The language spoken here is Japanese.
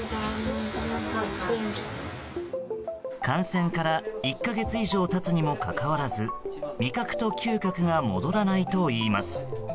感染から１か月以上経つにもかかわらず味覚と嗅覚が戻らないといいます。